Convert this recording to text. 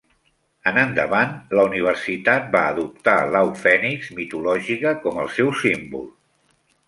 En endavant, la universitat va adoptar l'au fènix mitològica com el seu símbol.